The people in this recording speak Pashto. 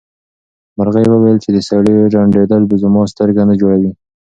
مرغۍ وویل چې د سړي ړندېدل زما سترګه نه جوړوي.